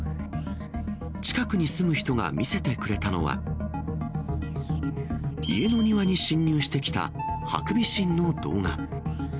近くに住む人が見せてくれたのは、家の庭に侵入してきたハクビシンの動画。